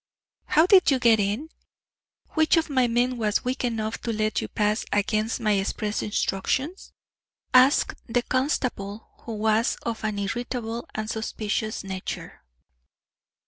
"How did you get in? Which of my men was weak enough to let you pass, against my express instructions?" asked the constable, who was of an irritable and suspicious nature.